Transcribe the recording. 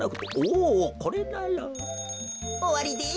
おわりです。